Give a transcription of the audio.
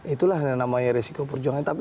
itulah yang namanya resiko perjuangan